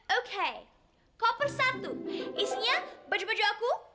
oke koper satu isinya baju baju aku